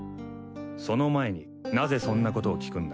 その前になぜそんなことを聞くんだ？